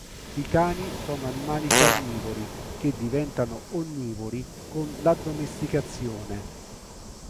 I cani sono animali carnivori che diventano onnivori con l'addomesticazione.